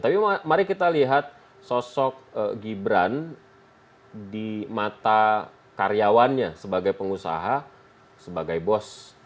tapi mari kita lihat sosok gibran di mata karyawannya sebagai pengusaha sebagai bos